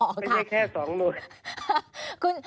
ไม่ใช่แค่๒หน่วย